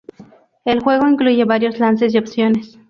El juego incluye varios lances y opciones.